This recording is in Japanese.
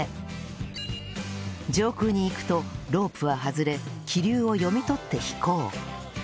上空に行くとロープは外れ気流を読み取って飛行